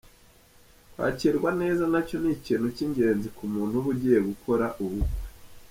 Kwakirwa neza nacyo ni ikintu cy’ingenzi ku muntu uba ugiye gukora ubukwe.